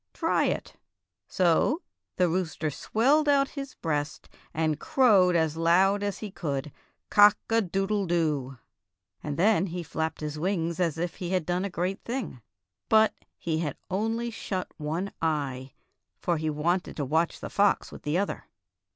"Try it." So the rooster swelled out his breast and crowed as loud as he could, "Cock a doodle do." And then he flapped his wings as if he had done a great thing. But he had 58 F airy T ale F oxes only shut one eye, for he wanted to watch the fox with the other.